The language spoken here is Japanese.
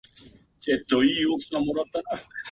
負けるという選択肢はない